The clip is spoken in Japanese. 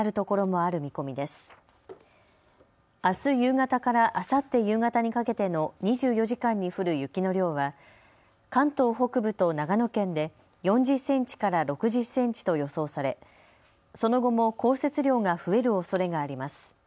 あす夕方からあさって夕方にかけての２４時間に降る雪の量は関東北部と長野県で４０センチから６０センチと予想され、その後も降雪量が増えるおそれがあります。